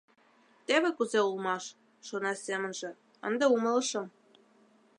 «Теве кузе улмаш, — шона семынже, — ынде умылышым».